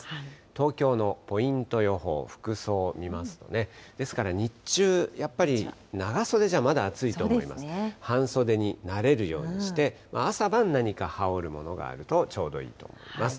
東京のポイント予報、服装見ますとね、ですから日中、やっぱり長袖じゃまだ暑いと思いますから、半袖になれるようにして、朝晩何か羽織るものがあるとちょうどいいと思います。